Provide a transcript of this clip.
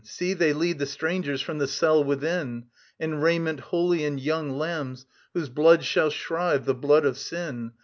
See, they lead the strangers from the cell within, And raiment holy and young lambs, whose blood shall shrive the blood of Sin.